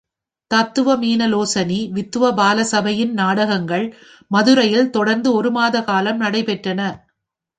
தத்துவ மீனலோசனி வித்துவ பாலசபையின் நாடகங்கள் மதுரையில் தொடர்ந்து ஒரு மாதகாலம் நடைபெற்றன.